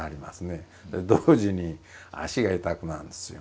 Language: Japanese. で同時に足が痛くなるんですよね。